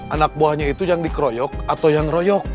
anak buahnya itu yang dikeroyok atau yang royok